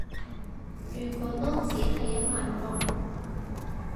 結果都只係一萬步